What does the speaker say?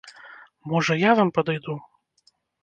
Можа, я вам падыду?